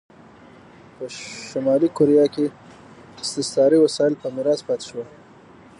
په شلي کوریا کې استثاري وسایل په میراث پاتې شول.